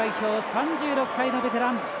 ３６歳のベテラン。